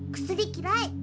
薬きらい。